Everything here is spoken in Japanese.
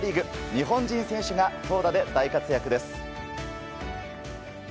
日本人選手が投打で大活躍です。